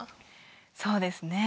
そうですね。